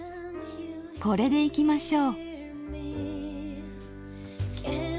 これでいきましょう。